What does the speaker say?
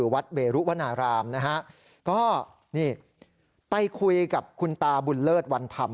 วัดเวรุวนารามนะฮะก็นี่ไปคุยกับคุณตาบุญเลิศวันธรรม